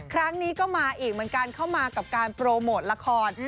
ครั้งนี้ก็มาอีกเหมือนกันเข้ามากับการโปรโมทละคร